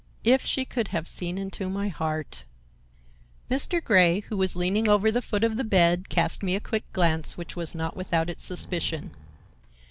If she could have seen into my heart! Mr. Grey, who was leaning over the foot of the bed, cast me a quick glance which was not without its suspicion.